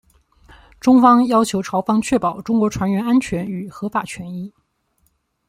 中方要求朝方确保中国船员安全与合法权益。